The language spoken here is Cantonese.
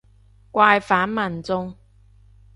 怪返民眾